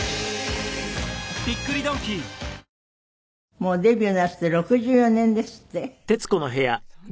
もうデビューなさって６４年ですって？